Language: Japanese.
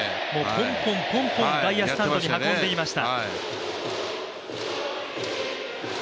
ポンポン、ポンポンと外野スタンドに運んでいました。